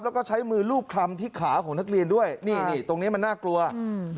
แล้วก็ใช้มือรูปคลำที่ขาของนักเรียนด้วยนี่นี่ตรงนี้มันน่ากลัวอืม